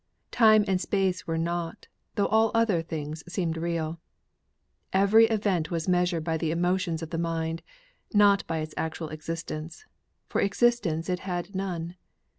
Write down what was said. Time and space were not, though all other things seemed real. Every event was measured by the emotions of the mind, not by its actual existence, for existence it had none.